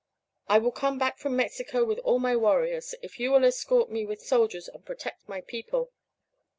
I will come back from Mexico with all my warriors, if you will escort me with soldiers and protect my people.'